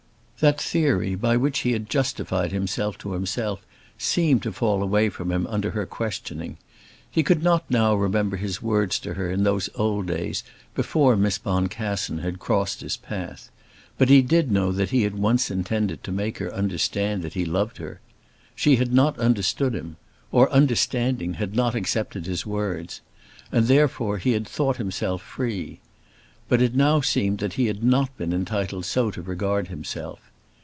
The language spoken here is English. That theory by which he had justified himself to himself seemed to fall away from him under her questioning. He could not now remember his words to her in those old days before Miss Boncassen had crossed his path; but he did know that he had once intended to make her understand that he loved her. She had not understood him; or, understanding, had not accepted his words; and therefore he had thought himself free. But it now seemed that he had not been entitled so to regard himself.